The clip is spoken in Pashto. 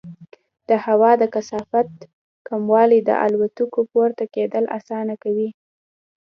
د هوا د کثافت کموالی د الوتکو پورته کېدل اسانه کوي.